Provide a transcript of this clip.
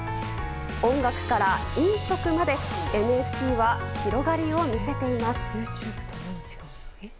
音楽から飲食までＮＦＴは広がりを見せています。